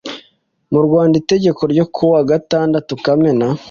mu Rwanda itegeko ryo ku wa gatandatu Kamena